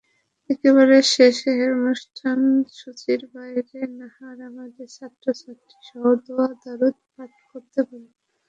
একেবারে শেষে অনুষ্ঠানসূচির বাইরে নাহার আমাদের ছাত্রছাত্রীসহ দোয়া-দরুদ পাঠ করতে বললেন।